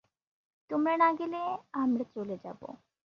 তোমরা না গেলে, আমরা চলে যাব।